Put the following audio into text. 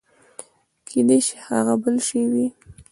کېداى سي هغه بل شى وي.